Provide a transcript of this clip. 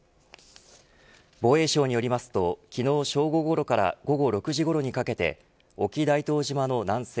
防衛省によりますと昨日正午ごろから午後６時ごろにかけて沖大東島の南西